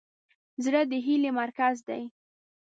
زړه د هیلې مرکز دی.